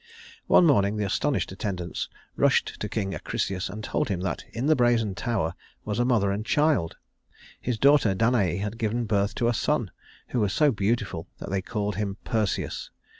One morning the astonished attendants rushed to King Acrisius and told him that in the brazen tower was a mother and child his daughter Danaë had given birth to a son who was so beautiful that they called him Perseus.